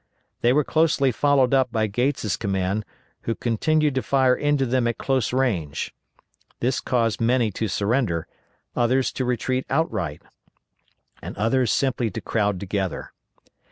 They were closely followed up by Gates' command, who continued to fire into them at close range. This caused many to surrender, others to retreat outright, and others simply to crowd together.